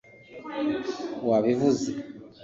wabivuze